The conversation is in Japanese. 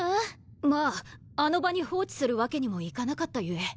まぁあの場に放置するわけにもいかなかったゆえ。